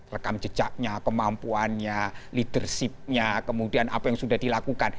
rekam jejaknya kemampuannya leadershipnya kemudian apa yang sudah dilakukan